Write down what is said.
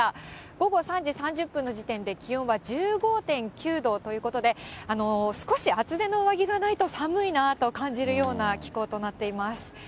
午後３時３０分の時点で気温は１５．９度ということで、少し厚手の上着がないと寒いなぁと感じるような気候となっています。